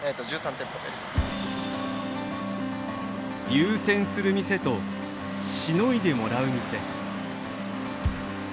優先する店としのいでもらう店。